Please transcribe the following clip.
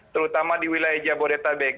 terutama di wilayah jabodetabek